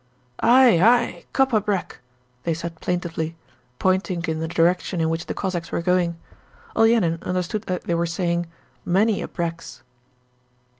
'Ay ay, kop abrek!' they said plaintively, pointing in the direction in which the Cossacks were going. Olenin understood that they were saying, 'Many abreks.'